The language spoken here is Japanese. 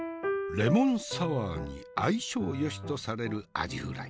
レモンサワーに相性よしとされるアジフライ。